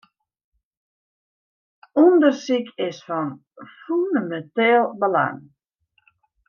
Undersyk is fan fûneminteel belang.